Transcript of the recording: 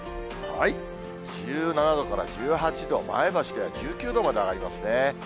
１７度から１８度、前橋では１９度まで上がりますね。